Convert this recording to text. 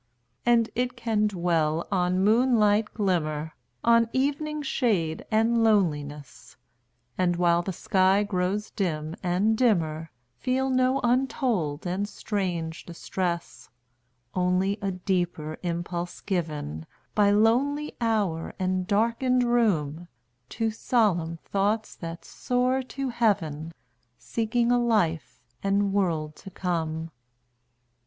And it can dwell on moonlight glimmer, On evening shade and loneliness; And, while the sky grows dim and dimmer, Feel no untold and strange distress Only a deeper impulse given By lonely hour and darkened room, To solemn thoughts that soar to heaven Seeking a life and world to come.